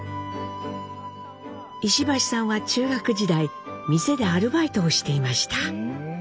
石橋さんは中学時代店でアルバイトをしていました。